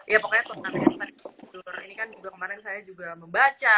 ya pokoknya turnamen yang tadi tidur ini kan kemarin saya juga membaca